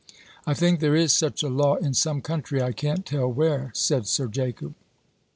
"I think there is such a law in some country, I can't tell where," said Sir Jacob.